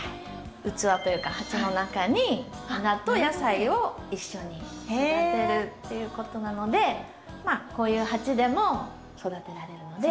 器というか鉢の中に花と野菜を一緒に育てるっていうことなのでまあこういう鉢でも育てられるので。